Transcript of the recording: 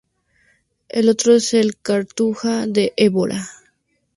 El otro es la Cartuja de Évora.